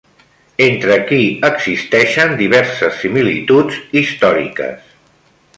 Entre qui existeixen diverses similituds històriques?